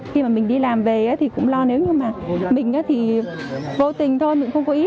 khi mà mình đi làm về thì cũng lo nếu như mà mình thì vô tình thôi mình cũng không có ý